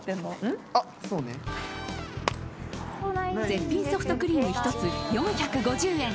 絶品ソフトクリーム１つ４５０円。